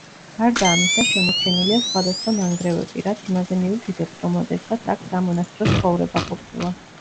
გარდა ამისა შემორჩენილია სხვადასხვა ნანგრევები, რაც იმაზე მიუთითებს, რომ ოდესღაც აქ სამონასტრო ცხოვრება ყოფილა.